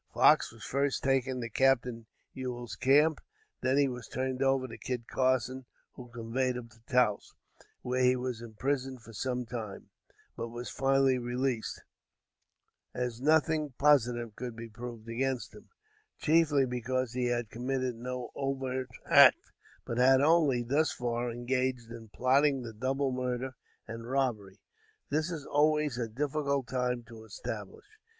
Fox was first taken to Captain Ewell's camp, then he was turned over to Kit Carson, who conveyed him to Taos, where he was imprisoned for some time; but was finally released, as nothing positive could be proved against him, chiefly because he had committed no overt act, but had only, thus far, engaged in plotting the double murder and robbery. This is always a difficult crime to establish.